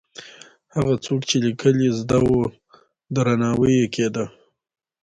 هغه څوک چې لیکل یې زده وو، درناوی یې کېده.